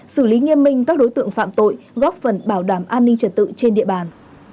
xử lý nghiêm minh các đối tượng phạm tội góp phần bảo đảm an ninh trật tự trên địa bàn